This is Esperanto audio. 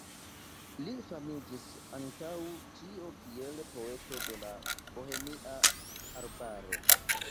Li famiĝis antaŭ ĉio kiel "poeto de la Bohemia arbaro".